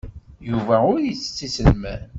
Yuba ur ittett iselman.